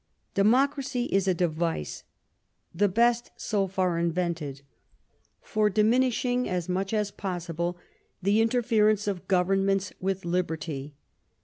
Democracy is a device the best so far invented for diminishing as much as possible the interference of governments with liberty.